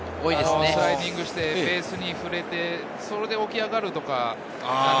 スライディングしてベースに触れて、それで起き上がるとか。